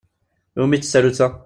Iwumi-tt tsarutt-a?